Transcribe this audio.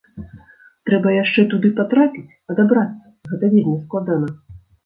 Трэба яшчэ туды патрапіць, адабрацца, гэта вельмі складана.